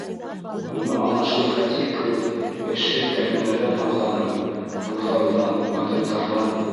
Уны ана шул Фәтих кеүек эшһеҙ кәримдәрҙән һаҡланым, бурҙарҙан, бандиттарҙан!